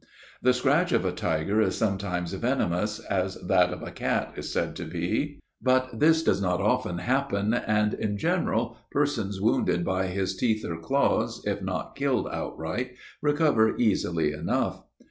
The scratch of a tiger is sometimes venomous, as that of a cat is said to be. But this does not often happen; and, in general, persons wounded by his teeth or claws, if not killed outright, recover easily enough.